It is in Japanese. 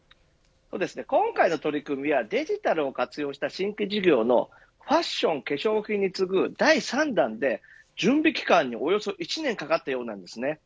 今回の取り組みはデジタルを活用した新規事業のファッション、化粧品に次ぐ第３弾で、準備期間におよそ１年かかったようです。